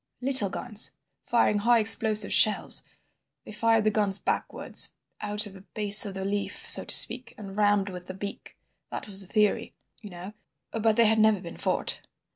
"Little guns, firing high explosive shells. They fired the guns backwards, out of the base of the leaf, so to speak, and rammed with the beak. That was the theory, you know, but they had never been fought.